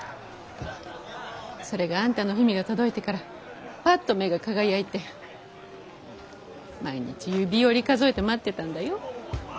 それがあんたの文が届いてからパッと目が輝いて毎日指折り数えて待ってたんだよ。